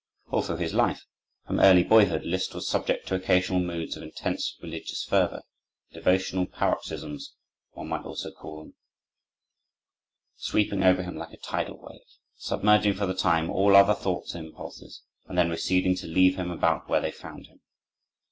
All through his life, from early boyhood, Liszt was subject to occasional moods of intense religious fervor,—devotional paroxysms, one might almost call them,—sweeping over him like a tidal wave, submerging, for the time, all other thoughts and impulses, and then receding, to leave him about where they found him.